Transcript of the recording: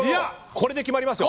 これで決まりますよ。